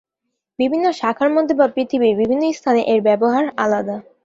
বিভিন্ন শাখার মধ্যে, বা পৃথিবীর বিভিন্ন স্থানে, এর ব্যবহার আলাদা।